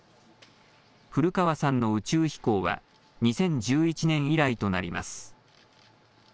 古川さんの宇宙飛行は２０１１年以来となります。